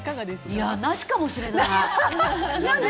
いや、なしかもしれない。